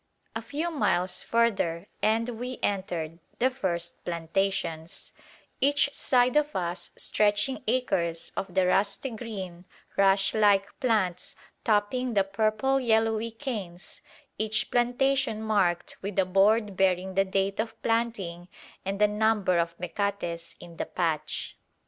A few miles further and we entered the first plantations, each side of us stretching acres of the rusty green rush like plants topping the purple yellowy canes, each plantation marked with a board bearing the date of planting and the number of mecates in the patch.